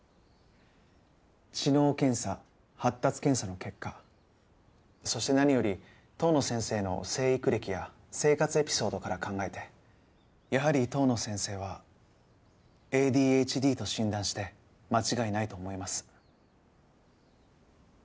知能検査発達検査の結果そして何より遠野先生の生育歴や生活エピソードから考えてやはり遠野先生はＡＤＨＤと診断して間違いないと思います。